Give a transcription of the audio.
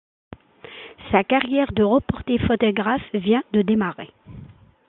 Sa carrière de reporter photographe vient de démarrer.